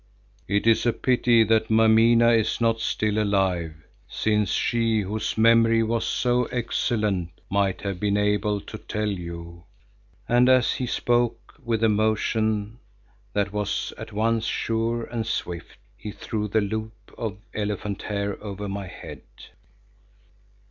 It is a pity that Mameena is not still alive, since she whose memory was so excellent might have been able to tell you," and as he spoke, with a motion that was at once sure and swift, he threw the loop of elephant hair over my head.